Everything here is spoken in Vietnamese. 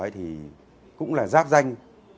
thì cũng là giáp danh